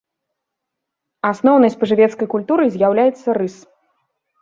Асноўнай спажывецкай культурай з'яўляецца рыс.